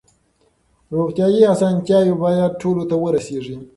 روغتیايي اسانتیاوې باید ټولو ته ورسیږي.